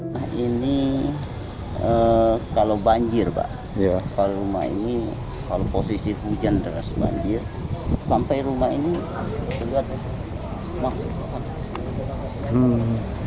nah ini kalau banjir pak kalau rumah ini kalau posisi hujan deras banjir sampai rumah ini juga masuk ke sana